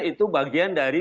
itu bagian dari